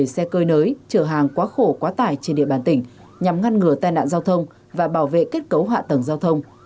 xe cơi nới chở hàng quá khổ quá tải trên địa bàn tỉnh nhằm ngăn ngừa tai nạn giao thông và bảo vệ kết cấu hạ tầng giao thông